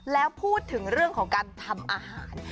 แล้วพูดถึงเรื่องของการทำอาหาร